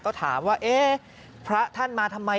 เขาถามว่าเอ๊พระท่านมาทำไมเอ่ย